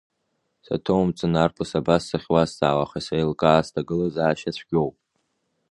Саҭоумҵан, арԥыс абас сахьуазҵаауа, аха сеилкаа, сҭагылазаашьа цәгьоуп…